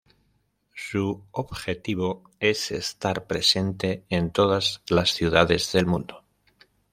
Su objetivo es estar presente en todas las ciudades del mundo.